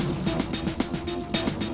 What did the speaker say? bang abang mau nelfon siapa sih